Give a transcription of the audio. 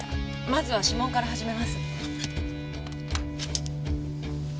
まずは指紋から始めます。